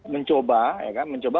mencoba ya kan mencoba